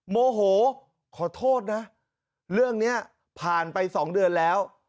โมโหขอโทษนะเรื่องนี้ผ่านไป๒เดือนแล้ว